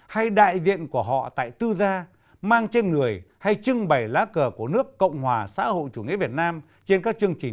hay đại viện của họ tại tư gia mang trên người hay trưng bày lá cờ của nước